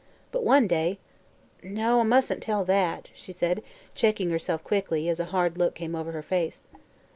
But one day No, I mus'n't tell that," she said, checking herself quickly, as a hard look came over her face.